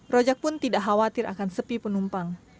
rojak pun tidak khawatir akan sepi penumpang